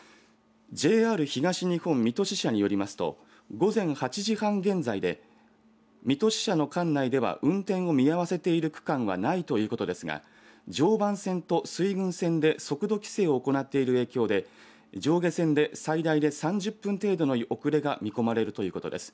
ＪＲ東日本水戸支社によりますと午前８時半現在で水戸支社の管内では運転を見合わせている区間はないということですが常磐線と水郡線で速度規制を行っている影響で上下線で最大で３０分程度の遅れが見込まれるということです。